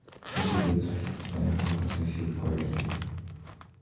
Gratitude fills my heart as I sit quietly.